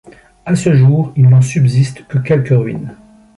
À ce jour, il n'en subsiste que quelques ruines.